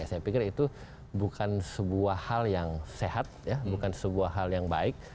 saya pikir itu bukan sebuah hal yang sehat bukan sebuah hal yang baik